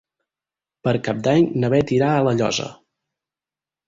Per Cap d'Any na Bet irà a La Llosa.